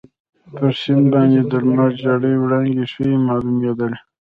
پر سیند باندي د لمر ژېړې وړانګې ښې معلومیدلې.